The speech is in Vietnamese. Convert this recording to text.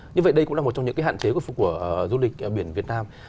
như vậy đây cũng là một trong những cái hạn chế của du lịch biển việt nam